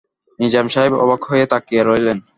নিজাম সাহেব অবাক হয়ে তাকিয়ে রইলেন।